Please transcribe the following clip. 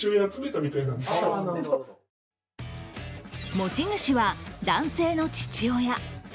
持ち主は男性の父親。